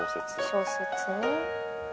「小説ね」